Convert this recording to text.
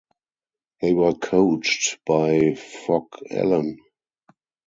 They were coached by Phog Allen.